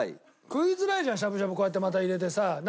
食いづらいじゃんしゃぶしゃぶこうやってまた入れてさ。